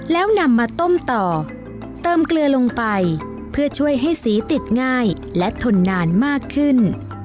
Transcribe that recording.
แล้วนำมาต้มต่อเติมเกลือลงไปเพื่อช่วยให้สีติดง่ายและทนนานมากขึ้น